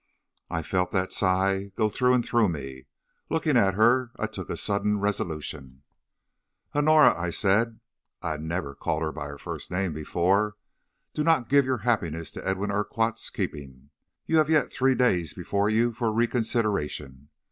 "I felt that sigh go through and through me. Looking at her I took a sudden resolution. "'Honora,' I said (I had never called her by her first name before), 'do not give your happiness into Edwin Urquhart's keeping. You have yet three days before you for reconsideration.